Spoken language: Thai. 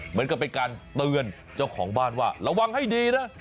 เหมือนกับเป็นการเตือนเจ้าของบ้านว่าระวังให้ดีนะ